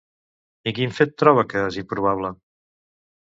I quin fet troba que és improbable?